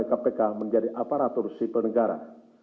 dengan pengalihannya pegawai kpk menjadi aparatur sipil negara